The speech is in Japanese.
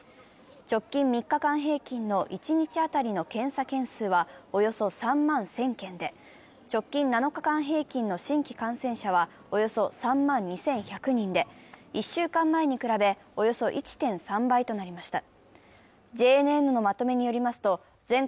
直近３日間平均の一日当たりの検査件数はおよそ３万１０００件で、直近３日間平均の新規感染者は、およそ３万２１００人で、１週間前に比べ、およそ１．３倍となりました。